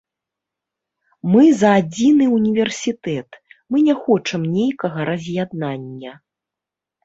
Мы за адзіны ўніверсітэт, мы не хочам нейкага раз'яднання.